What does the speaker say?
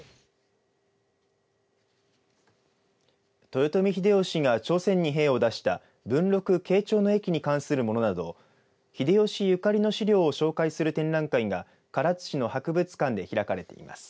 豊臣秀吉が朝鮮に兵を出した文禄・慶長の役に関するものなど秀吉、ゆかりの資料を紹介する展覧会が唐津市の博物館で開かれています。